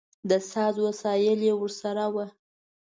د ساز وسایل یې ورسره و.